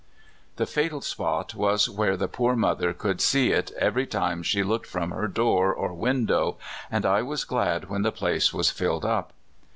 " The fatal spot was where the poor mother could see it every time she looked from her door or win dow, and I was glad when the place was filled up.